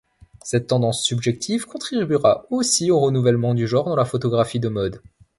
Cette tendance subjective contribuera aussi au renouvellement du genre dans la photographie de mode.